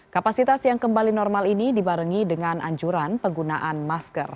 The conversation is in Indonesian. kapasitas yang kembali normal ini dibarengi dengan anjuran penggunaan masker